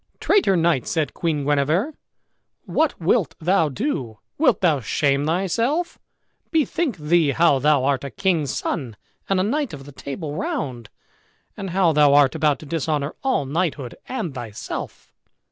"Traitor knight," said Queen Guenever, "what wilt thou do? Wilt thou shame thyself? Bethink thee how thou art a king's son, and a knight of the Table Round, and how thou art about to dishonor all knighthood and thyself?"